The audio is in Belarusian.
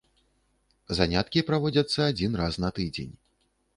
Заняткі праводзяцца адзін раз на тыдзень.